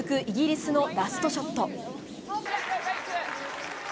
イギリスのラストショット。